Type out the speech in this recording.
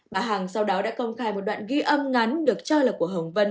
bà hằng sau đó đã công khai một đoạn ghi âm ngắn được cho là của hồng vân